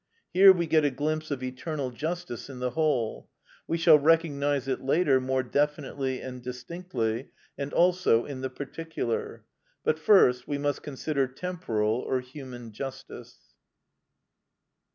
Here we get a glimpse of eternal justice in the whole: we shall recognise it later more definitely and distinctly, and also in the particular. But first we must consider temporal or human justice.